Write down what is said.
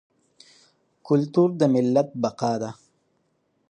کلتور د ملت بقا ده.